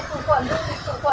nó không thể nó đi cả